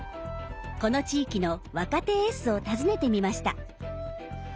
この地域の若手エースを訪ねてみました。